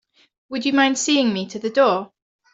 Would you mind seeing me to the door?